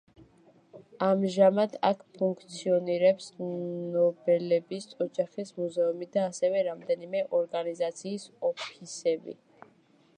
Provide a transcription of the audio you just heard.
ამჟამად აქ ფუნქციონირებს ნობელების ოჯახის მუზეუმი და ასევე რამდენიმე ორგანიზაციის ოფისები.